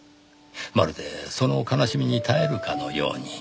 まるでその悲しみに耐えるかのように。